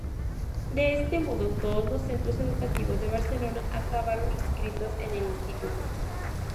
De este modo, todos los centros educativos de Barcelona acabaron inscritos en el Instituto.